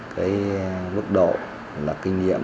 cái mức độ là kinh nghiệm